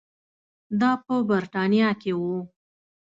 دا په برېټانیا کې وو.